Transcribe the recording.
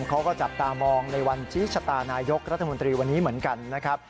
เขาก็จับตามองในวันชี้ชะตานายกรัฐมนตรีวันนี้เหมือนกันนะครับ